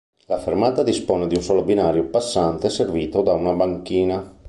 La fermata dispone di un solo binario passante servito da una banchina.